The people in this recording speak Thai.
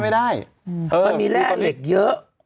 วันนี้แรคเหล็กเยอะ